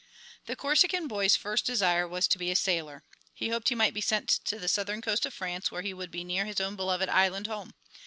The Corsican boy's first desire was to be a sailor. He hoped he might be sent to the southern coast of France where he would be near his own beloved island home.